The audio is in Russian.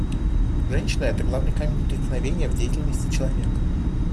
Женщины — это главный камень преткновения в деятельности человека.